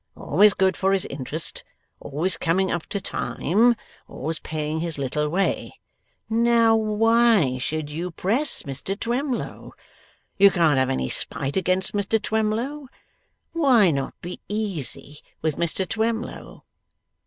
Always good for his interest, always coming up to time, always paying his little way. Now, why should you press Mr Twemlow? You can't have any spite against Mr Twemlow! Why not be easy with Mr Twemlow?